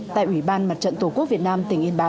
tại ủy ban mặt trận tổ quốc việt nam